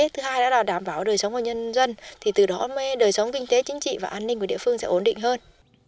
thứ hai là đảm bảo đời sống của nhân dân thì từ đó mới đời sống kinh tế chính trị và an ninh của địa phương sẽ ổn định hơn